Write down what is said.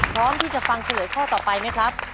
พร้อมที่จะฟังเฉลยข้อต่อไปไหมครับ